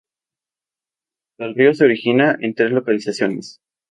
El río se origina en tres localizaciones.